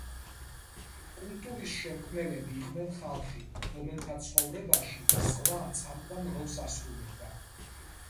კულტურის შემქმნელები იყვნენ ხალხი, რომელთა ცხოვრებაში ზღვა წამყვან როლს ასრულებდა.